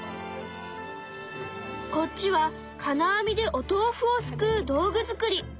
こっちは金網でおとうふをすくう道具作り。